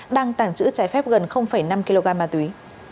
đang tàng trữ trái phép gần năm kg ma túy